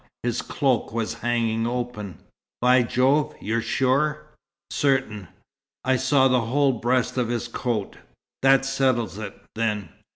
His cloak was hanging open." "By Jove! You're sure?" "Certain. I saw the whole breast of his coat." "That settles it, then.